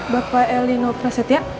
bapak elinopra setia